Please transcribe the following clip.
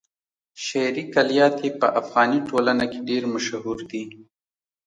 شعري کلیات يې په افغاني ټولنه کې ډېر مشهور دي.